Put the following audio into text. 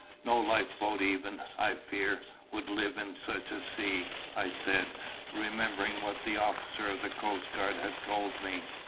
"No life boat even, I fear, would live in such a sea," I said, remembering what the officer of the coast guard had told me.